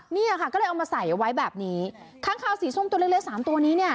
เนี่ยค่ะก็เลยเอามาใส่เอาไว้แบบนี้ค้างคาวสีส้มตัวเล็กสามตัวนี้เนี่ย